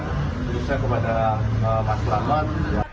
terus saya kepada mas raman